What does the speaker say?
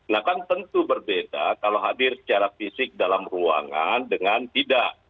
nah kan tentu berbeda kalau hadir secara fisik dalam ruangan dengan tidak